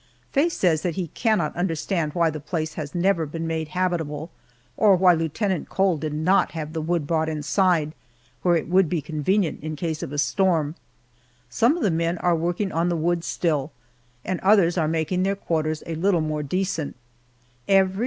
Faye says that he cannot understand why the place has never been made habitable, or why Lieutenant Cole did not have the wood brought inside, where it would be convenient in case of a storm. Some of the men are working at the wood still, and others are making their quarters' a little more decent.